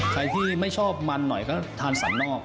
ใครที่ไม่ชอบมันหน่อยก็ทานสันนอก